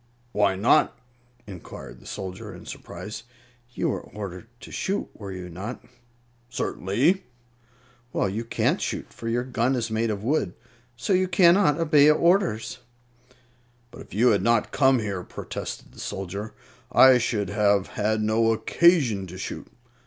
"Why not?" inquired the soldier, in surprise. "You were ordered to shoot, were you not?" "Certainly." "Well, you can't shoot, for your gun is made of wood. So you cannot obey orders." "But if you had not come here," protested the soldier, "I should have had no occasion to shoot.